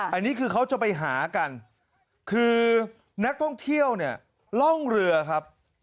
อันนี้คือเขาจะไปหากันคือนักท่องเที่ยวเนี่ยล่องเรือครับ